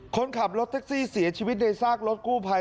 คนขับรถแท็กซี่เสียชีวิตในซากรถกู้ภัย